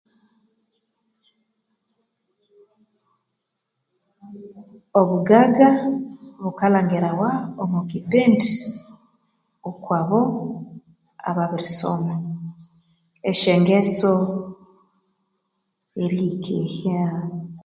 Obugaga bukalhangirawa omu kipindi okwabo ababirisoma esyangeso eriyikehya